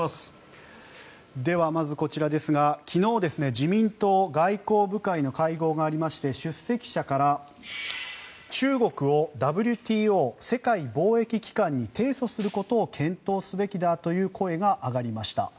ではまずこちらですが昨日、自民党外交部会の会合がありまして出席者から中国をＷＴＯ・世界貿易機関に提訴することを検討すべきだという声が上がりました。